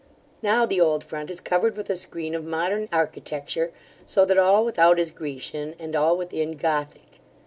Now the old front is covered with a screen of modern architecture; so that all without is Grecian, and all within Gothic.